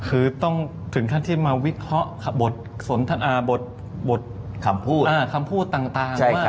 คือต้องถึงขั้นที่มาวิเคราะห์บทสนทนาบทคำพูดคำพูดต่าง